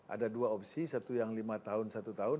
ada dua opsi satu yang lima tahun satu tahun